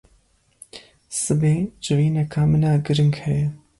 Sibê civîneka min a giring heye.